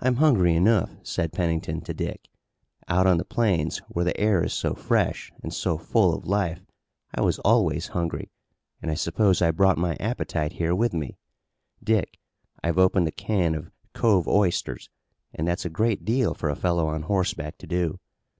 "I'm hungry enough," said Pennington to Dick. "Out on the plains, where the air is so fresh and so full of life I was always hungry, and I suppose I brought my appetite here with me. Dick, I've opened a can of cove oysters, and that's a great deal for a fellow on horseback to do.